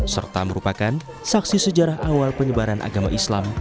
serta merupakan saksi sejarah awal penyebaran agama islam